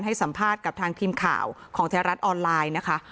ให้สัมภาษณ์กับทางทีมข่าวของไทยรัฐออนไลน์นะคะ